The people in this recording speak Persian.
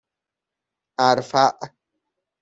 اَرفع